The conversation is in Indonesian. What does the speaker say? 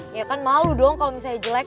ya kan malu dong kalau misalnya jelek